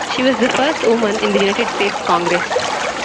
She was the first woman in the United States Congress.